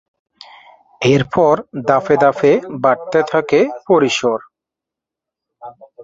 এরপর ধাপে ধাপে বাড়তে থাকে পরিসর।